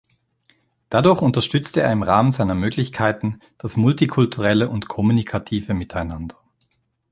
Dadurch unterstützte er im Rahmen seiner Möglichkeiten das multikulturelle und kommunikative Miteinander.